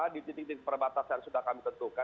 di titik titik perbatasan sudah kami tentukan